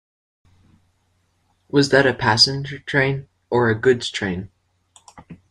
Was that a passenger train or a goods train?